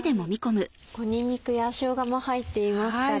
にんにくやしょうがも入っていますから。